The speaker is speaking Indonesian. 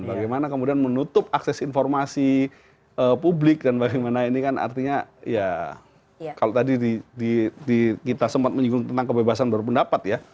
bagaimana kemudian menutup akses informasi publik dan bagaimana ini kan artinya ya kalau tadi kita sempat menyinggung tentang kebebasan berpendapat ya